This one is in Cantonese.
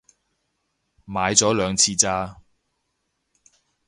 買咗兩次咋